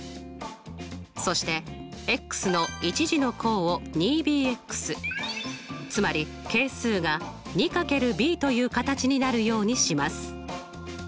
そしての１次の項を２ｂつまり係数が２×ｂという形になるようにします。